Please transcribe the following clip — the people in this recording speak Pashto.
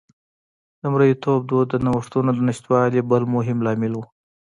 د مریتوب دود د نوښتونو د نشتوالي بل مهم لامل و